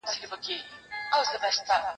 هره خوا ګورم تیارې دي چي ښکارېږي